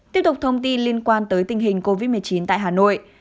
tiếp tục thông tin liên quan tới tình hình covid một mươi chín tại hà nội